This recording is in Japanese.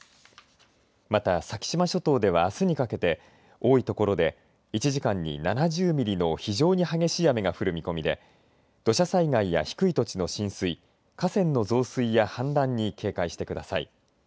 また、先島諸島ではあすにかけて多い所で１時間に７０ミリの非常に激しい雨が降る見込みで土砂災害や低い土地の浸水河川の増水や氾濫に警戒してください。